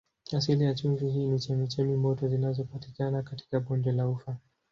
Asili ya chumvi hii ni chemchemi moto zinazopatikana katika bonde la Ufa.